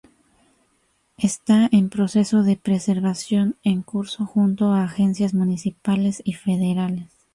Está en proceso de preservación en curso junto a agencias municipales y federales.